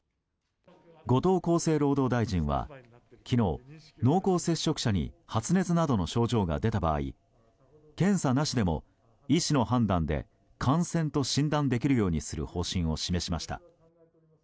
後藤厚生労働大臣は昨日濃厚接触者に発熱などの症状が出た場合検査なしでも医師の判断で感染と診断できるようにする方針を示しました。